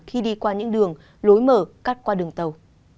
khi đi qua những đường lối mở cắt qua đường tàu